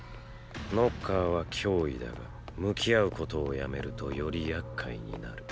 ノッカーは脅威だが向き合うことをやめるとより厄介になる。